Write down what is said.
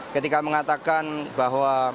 ketika mengatakan bahwa